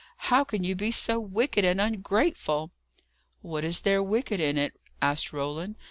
"How can you be so wicked and ungrateful?" "What is there wicked in it?" asked Roland.